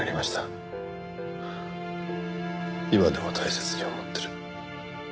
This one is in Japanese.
今でも大切に思ってる。